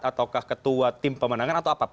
ataukah ketua tim pemenangan atau apa